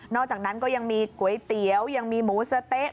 อกจากนั้นก็ยังมีก๋วยเตี๋ยวยังมีหมูสะเต๊ะ